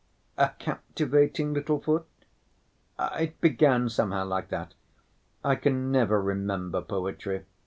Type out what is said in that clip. A captivating little foot. It began somehow like that. I can never remember poetry.